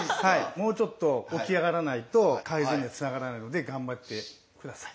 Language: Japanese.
もうちょっと起き上がらないと改善にはつながらないので頑張って下さい。